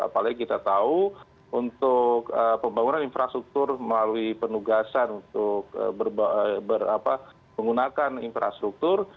apalagi kita tahu untuk pembangunan infrastruktur melalui penugasan untuk menggunakan infrastruktur